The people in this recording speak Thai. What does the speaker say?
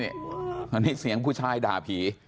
อันนี้เสียงผู้ชายด่าผี